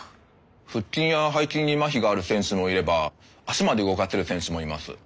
腹筋や背筋にまひがある選手もいれば足まで動かせる選手もいます。